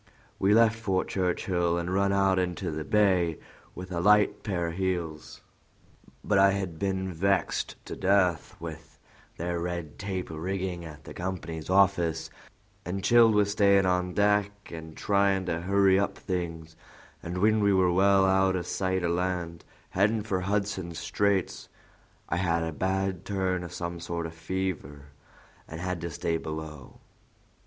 "We left Fort Churchill and run out into the Bay with a light pair o' heels; but I had been vexed to death with their red tape rigging at the company's office, and chilled with stayin' on deck an' tryin' to hurry up things, and when we were well out o' sight o' land, headin' for Hudson's Straits, I had a bad turn o' some sort o' fever, and had to stay below.